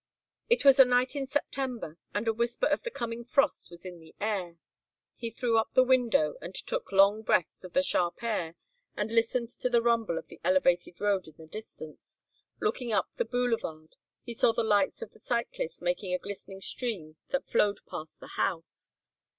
It was a night in September and a whisper of the coming frost was in the air. He threw up the window and took long breaths of the sharp air and listened to the rumble of the elevated road in the distance. Looking up the boulevard he saw the lights of the cyclists making a glistening stream that flowed past the house.